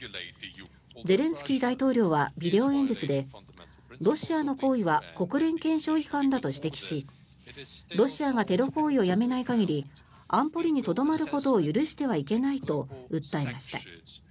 ゼレンスキー大統領はビデオ演説でロシアの行為は国連憲章違反だと指摘しロシアがテロ行為をやめない限り安保理にとどまることを許してはいけないと訴えました。